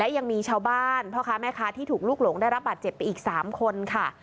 ยังมีชาวบ้านพ่อค้าแม่ค้าที่ถูกลุกหลงได้รับบาดเจ็บไปอีก๓คนค่ะ